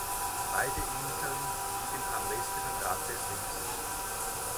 Beide Inseln liegen am westlichen Rand des Riffs.